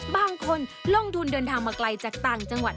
บางคนลงทุนเดินทางมาไกลจากต่างจังหวัด